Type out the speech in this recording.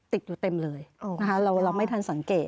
ติดอยู่เต็มเลยนะคะเราไม่ทันสังเกต